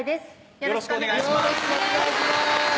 よろしくお願いします